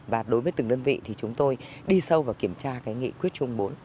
và đối với từng đơn vị thì chúng tôi đi sâu và kiểm tra nghị quyết chung bốn